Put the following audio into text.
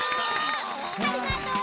ありがとう。